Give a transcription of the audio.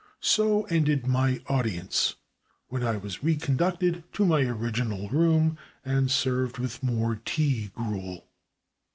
So ended my audience, when I was reconducted to my original room, and served with more tea gruel.